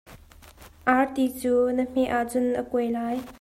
Arti cu na hmeh ahcun a kuai lai.